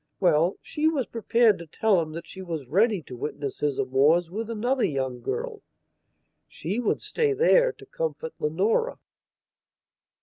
Well, she was prepared to tell him that she was ready to witness his amours with another young girl. She would stay thereto comfort Leonora.